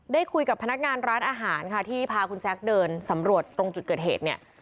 ได้คุยกับพนักงานร้านอาหารค่ะที่พาคุณแซคเดินสำรวจตรงจุดเกิดเหตุเนี่ย